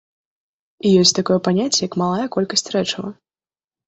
І ёсць такое паняцце, як малая колькасць рэчыва.